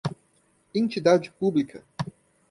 entidade pública